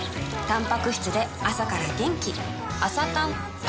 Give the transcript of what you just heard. たんぱく質で朝から元気